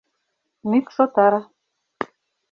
«МӰКШ ОТАР»